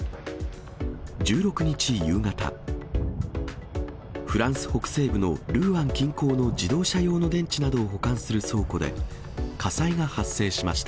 １６日夕方、フランス北西部のルーアン近郊の自動車用の電池などを保管する倉庫で、火災が発生しました。